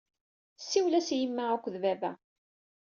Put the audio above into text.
Siwlen-as i yemma akked baba.